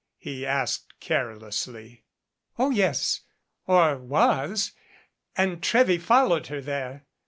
he asked carelessly. "Oh, yes, or was and Trewy followed her there.